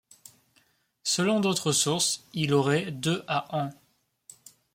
Selon d'autres sources, il aurait de à ans.